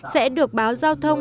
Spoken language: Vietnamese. sẽ được báo giao thông